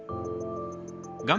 画面